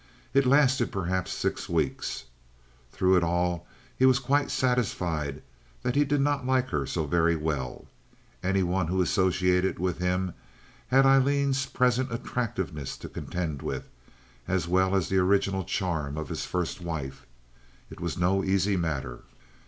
It lasted perhaps six weeks. Through it all he was quite satisfied that he did not like her so very well. Any one who associated with him had Aileen's present attractiveness to contend with, as well as the original charm of his first wife. It was no easy matter.